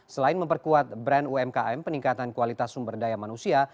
selain memperkuat brand umkm peningkatan kualitas sumber daya manusia